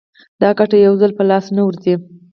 دا ګټه یو ځلي په لاس نه ورځي